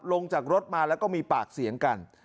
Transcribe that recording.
ลงจากรถมาแล้วก็มีปากเสียงกัน